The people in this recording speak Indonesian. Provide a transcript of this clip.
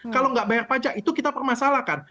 kalau nggak bayar pajak itu kita permasalahkan